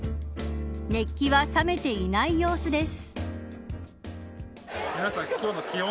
熱気は冷めていない様子です。